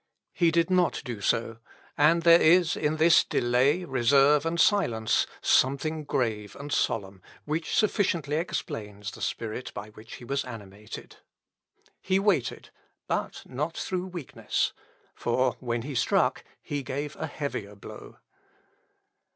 He did not do so; and there is in this delay, reserve, and silence, something grave and solemn, which sufficiently explains the spirit by which he was animated. He waited, but not through weakness; for when he struck he gave a heavier blow.